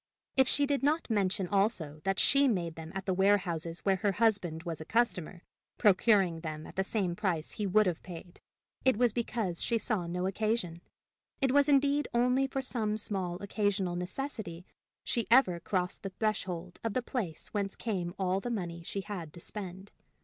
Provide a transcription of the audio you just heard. If she did not mention also that she made them at the warehouses where her husband was a customer, procuring them at the same price he would have paid, it was because she saw no occasion. It was indeed only for some small occasional necessity she ever crossed the threshold of the place whence came all the money she had to spend.